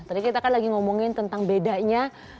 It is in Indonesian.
tadi kita kan lagi ngomongin tentang bedanya